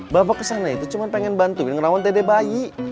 bapak kesana itu cuma pengen bantuin ngerawain dede bayi